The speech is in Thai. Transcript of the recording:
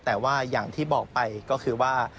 แต่ว่าอย่างที่บอกไปก็คือว่า